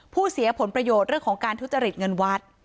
เสียผลประโยชน์เรื่องของการทุจริตเงินวัด